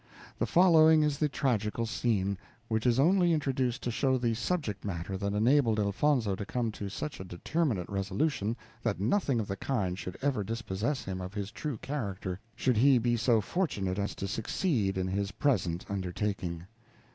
The following is the tragical scene, which is only introduced to show the subject matter that enabled Elfonzo to come to such a determinate resolution that nothing of the kind should ever dispossess him of his true character, should he be so fortunate as to succeed in his present undertaking.